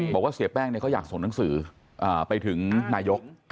บอกว่าเสียแป้งเขาอยากส่งหนังสือไปถึงนายก